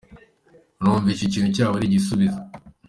Numva icyo kintu cyaba ari igisubizo.